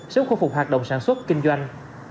sớm khu phục hoạt động sản xuất kinh doanh